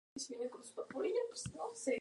Su cabecera es la ciudad de Santa Cruz.